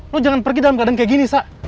lu jangan pergi dalam keadaan kayak gini sa